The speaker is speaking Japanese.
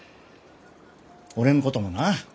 俺のこともな